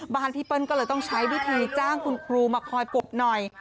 พี่เปิ้ลก็เลยต้องใช้วิธีจ้างคุณครูมาคอยปกหน่อย